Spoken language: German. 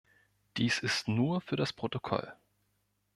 Dies nur für das Protokoll.